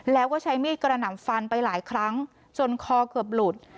แล้วก็ใช้มีดกระหน่ำฟันไปหลายครั้งจนคอเกือบหลุด